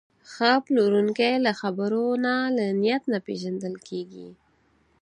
ښه پلورونکی له خبرو نه، له نیت نه پېژندل کېږي.